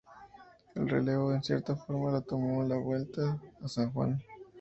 El relevo, en cierta forma, lo tomó la Vuelta a San Juan.